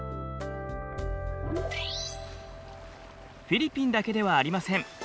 フィリピンだけではありません。